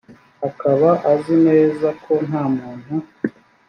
akaba azi neza ko nta muntu